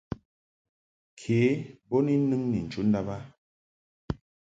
Ke bo ni nɨŋ ni chu ndàb a.